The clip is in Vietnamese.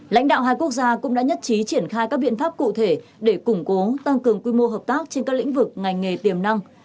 lãnh đạo hai quốc gia cũng đã nhất trí triển khai các biện pháp cụ thể để củng cố tăng cường quy mô hợp tác trên các lĩnh vực ngành nghề tiềm năng